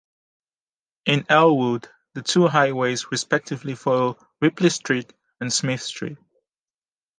In Elwood, the two highways respectively follow Ripley Street and Smith Street.